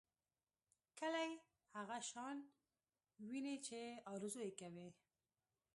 کلی هغه شان ويني چې ارزو یې کوي.